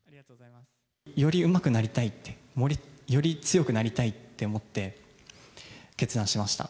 よりうまくなりたいって、より強くなりたいって思って、決断しました。